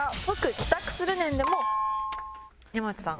山内さん。